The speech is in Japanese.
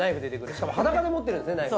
しかも裸で持ってるんですねナイフ。